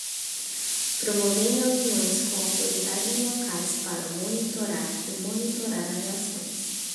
Promover reuniões com autoridades locais para monitorar e monitorar as ações.